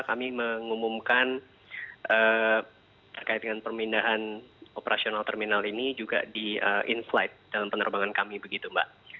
kami mengumumkan terkait dengan pemindahan operasional terminal ini juga di in flight dalam penerbangan kami begitu mbak